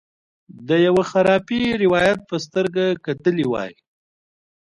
د یوه خرافي روایت په سترګه کتلي وای.